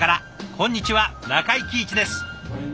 こんにちは中井貴一です。